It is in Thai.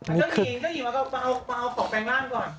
เจ้าหญิงเจ้าหญิงมาเอาปอกแปลงล่างก่อน